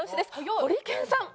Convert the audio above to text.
ホリケンさん。